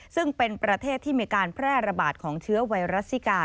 ซึ่งเป็นประเทศที่มีการแพร่ระบาดของเชื้อไวรัสซิกา